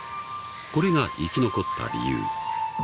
［これが生き残った理由］